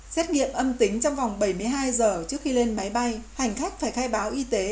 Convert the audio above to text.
xét nghiệm âm tính trong vòng bảy mươi hai giờ trước khi lên máy bay hành khách phải khai báo y tế